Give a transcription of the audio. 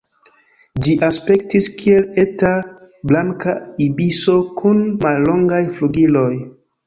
Ĝi aspektis kiel eta Blanka ibiso kun mallongaj flugiloj.